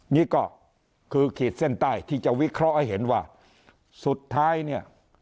นี่ก็คือขีดเส้นใต้ที่จะวิเคราะห์ให้เห็นว่าสุดท้ายเนี่ย